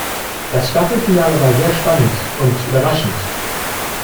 Das Staffelfinale war sehr spannend und überraschend.